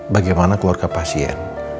bagaimana keluarga pasien